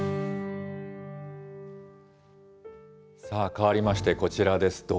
さあ、かわりまして、こちらです。